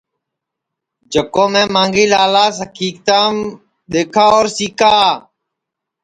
جکو میں مانگھی لالاس حکیکتام دؔیکھا اور سِکا